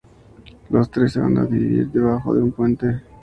Los tres se van a vivir debajo de un puente.